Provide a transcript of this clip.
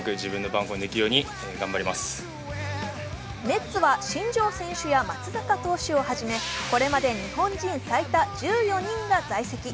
メッツは新庄選手や松坂投手をはじめ、これまで日本人最多１４人が在籍。